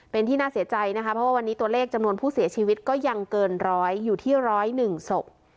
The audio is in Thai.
เป็นที่น่าเสียใจนะคะเพราะว่าวันนี้ตัวเลขจำนวนผู้เสียชีวิตก็ยังเกินร้อยอยู่ที่๑๐๑ศพ